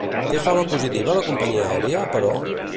Té fama positiva la companyia aèria, però?